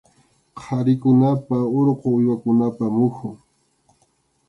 Qharikunapa urqu uywakunapa muhun.